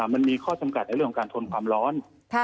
มันมีข้อจำกัดในเรื่องของการทนความร้อน